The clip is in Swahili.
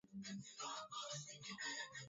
Rwanda yajibu jamuhuri ya kidemokrasia ya Kongo